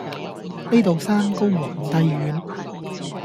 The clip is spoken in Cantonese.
呢度山高皇帝遠